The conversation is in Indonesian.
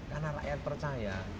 karena rakyat percaya